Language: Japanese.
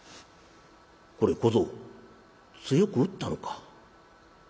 「これ小僧強く打ったのか？」。